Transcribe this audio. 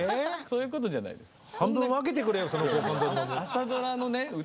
そういうことじゃないです。